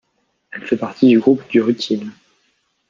Elle fait partie du groupe du rutile.